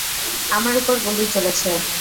আমার উপর গুলি চলেছে।